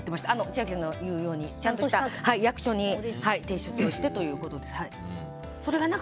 千秋さんの言うようにちゃんとした役所に提出をしてということです。